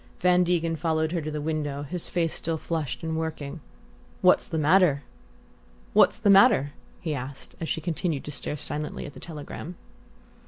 Van Degen followed her to the window, his face still flushed and working. "What's the matter?" he asked, as she continued to stare silently at the telegram.